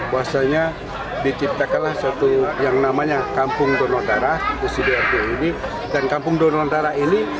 bahasanya diciptakanlah satu yang namanya kampung donor darah di sini dan kampung donor darah ini